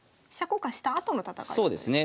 交換したあとの戦い方ですね。